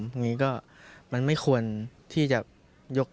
อย่างนี้ก็มันไม่ควรที่จะยก